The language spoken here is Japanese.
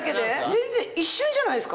全然一瞬じゃないですか？